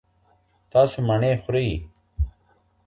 تاسو مڼې خورئ.